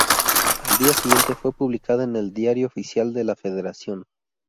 Al día siguiente fue publicada en el Diario Oficial de la Federación.